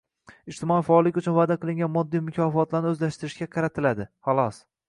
«ijtimoiy faollik» uchun va’da qilingan moddiy mukofotlarni o‘zlashtirishga qaratiladi, xolos.